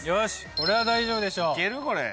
これは大丈夫でしょう。